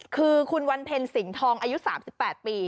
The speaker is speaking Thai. คือคุณวันเพ็ญสิงห์ทองอายุ๓๘ปี